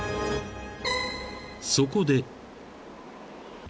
［そこで］